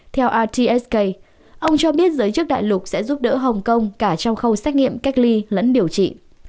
theortsk ông cho biết giới chức đại lục sẽ giúp đỡ hồng kông cả trong khâu xét nghiệm cách ly lẫn điều trị